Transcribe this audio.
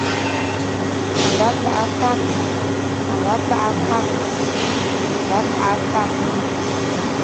A nga kakh-e-kakh.